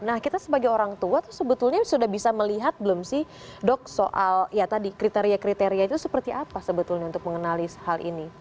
nah kita sebagai orang tua itu sebetulnya sudah bisa melihat belum sih dok soal ya tadi kriteria kriteria itu seperti apa sebetulnya untuk mengenali hal ini